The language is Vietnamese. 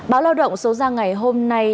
báo lao động số ra ngày hôm nay